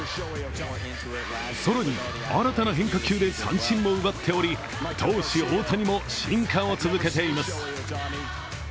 更に、新たな変化球で三振も奪っており、投手・大谷も進化を続けています。